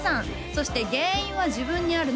そして原因は自分にある。